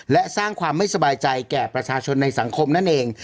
และสร้างความไม่สบายใจแก่ประชาชนในสังคมนั่นเอง